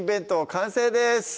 完成です